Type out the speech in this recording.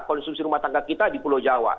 konsumsi rumah tangga kita di pulau jawa